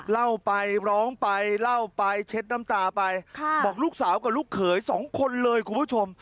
เล่าไปร้องไปเล่าไปเช็ดน้ำตาไปบอกลูกสาวกับลูกเขยสองคนเลยคุณผู้ชม